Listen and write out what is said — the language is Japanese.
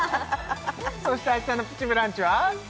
そして明日の「プチブランチ」は？